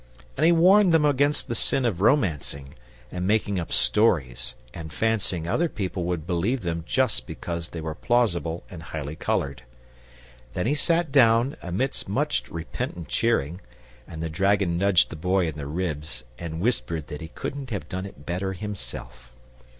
And he warned them against the sin of romancing, and making up stories and fancying other people would believe them just because they were plausible and highly coloured. Then he sat down, amidst much repentant cheering, and the dragon nudged the Boy in the ribs and whispered that he couldn't have done it better himself.